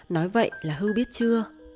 nói vậy là hư biết chưa